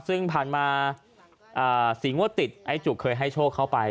ซึ่งผ่านมา๔งวดติดไอ้จุกเคยให้โชคเข้าไป